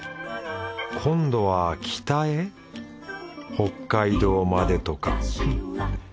今度は北へ北海道までとかフッ。